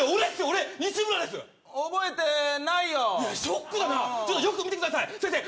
俺西村です覚えてないよいやショックだなちょっとよく見てください先生